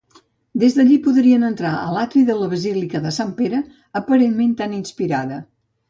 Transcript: Des d'allí podrien entrar a l'atri de la basílica de Sant Pere, aparentment tan inspirada.